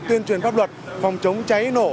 tuyên truyền pháp luật phòng chống cháy nổ